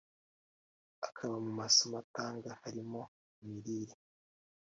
akaba mu masomo atanga harimo imirire